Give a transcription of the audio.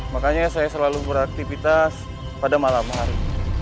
makanya saya selalu beraktivitas pada malam hari